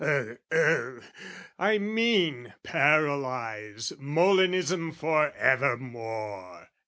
ugh, ugh!...I mean, Paralyse Molinism for evermore!